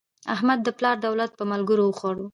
احمد د پلار دولت په ملګرو وخوړ.